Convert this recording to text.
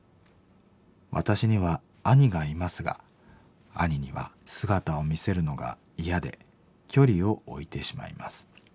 私には兄がいますが兄には姿を見せるのが嫌で距離を置いてしまいます。